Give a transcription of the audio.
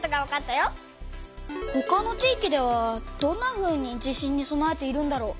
ほかの地域ではどんなふうに地震にそなえているんだろう？